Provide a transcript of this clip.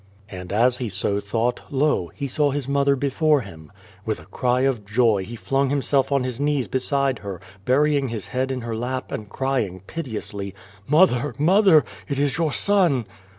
And as he so thought, lo ! he saw his mother before him. With a cry of joy, he flung himself on his knees beside her, burying his head in her lap, and crying piteously :" Mother, mother ! It is your son